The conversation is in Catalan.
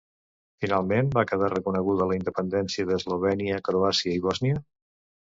Finalment va quedar reconeguda la independència d'Eslovènia, Croàcia i Bòsnia?